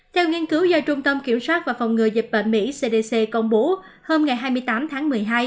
theo nghiên cứu do trung tâm kiểm soát và phòng ngừa dịch bệnh mỹ cdc công bố hôm ngày hai mươi tám tháng một mươi hai